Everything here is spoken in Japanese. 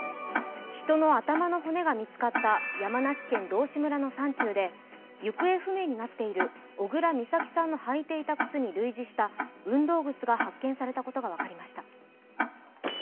人の頭の骨が見つかった、山梨県道志村の山中で行方不明になっている小倉美咲さんの履いていた靴に類似した運動靴が発見されたことが分かりました。